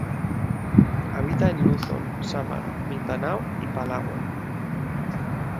Habita en Luzon, Samar, Mindanao y Palawan.